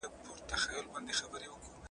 د دلارام په کیسې کي د هغه هندۍ ښځي ذکر سوی دی.